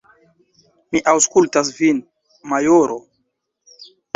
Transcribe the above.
Mi aŭskultas vin, majoro!